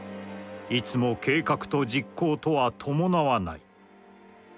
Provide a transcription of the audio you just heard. いつも計画と実行とは伴はない。